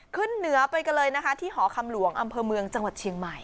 ขึ้นเหนือไปกันเลยนะคะที่หอคำหลวงอำเภอเมืองจังหวัดเชียงใหม่